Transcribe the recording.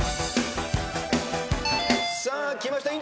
さあきました。